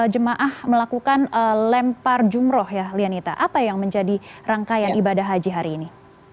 jemaah melakukan lempar jumroh ya lianita apa yang menjadi rangkaian ibadah haji hari ini